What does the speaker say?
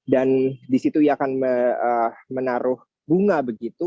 dan di situ dia akan menaruh bunga begitu